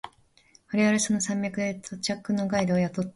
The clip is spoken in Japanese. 我々はその山脈で土着のガイドを雇った。